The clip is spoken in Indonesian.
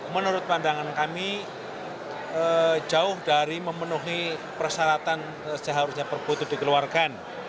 menurut pandangan kami jauh dari memenuhi persyaratan seharusnya perpu itu dikeluarkan